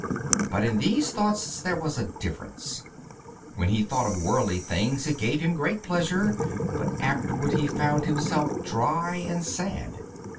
But in these thoughts there was this difference. When he thought of worldly things it gave him great pleasure, but afterward he found himself dry and sad.